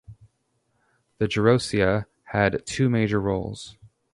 The "Gerousia" had two major roles.